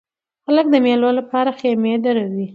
خلک د مېلو له پاره خیمې دروي.